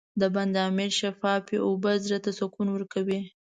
د بند امیر شفافې اوبه زړه ته سکون ورکوي.